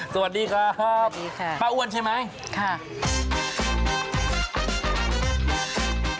สวัสดีครับป้าอ้วนใช่ไหมค่ะสวัสดีค่ะ